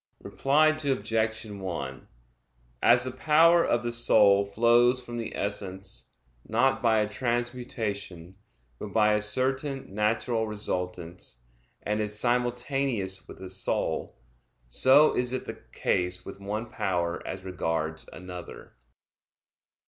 Reply Obj. 1: As the power of the soul flows from the essence, not by a transmutation, but by a certain natural resultance, and is simultaneous with the soul, so is it the case with one power as regards another.